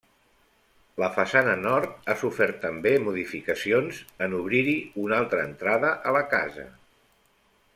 La façana nord ha sofert també modificacions en obrir-hi una altra entrada a la casa.